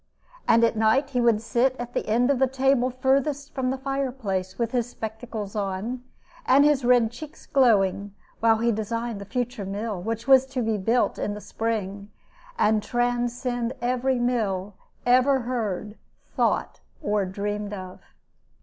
And at night he would sit at the end of the table furthest from the fire place, with his spectacles on, and his red cheeks glowing, while he designed the future mill, which was to be built in the spring, and transcend every mill ever heard, thought, or dreamed of.